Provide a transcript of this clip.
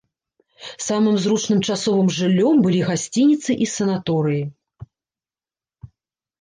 Самым зручным часовым жыллём былі гасцініцы і санаторыі.